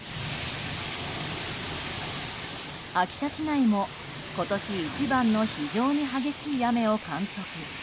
秋田市内も今年一番の非常に激しい雨を観測。